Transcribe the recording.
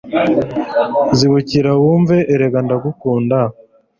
Zibukira wumve erega ndagukunda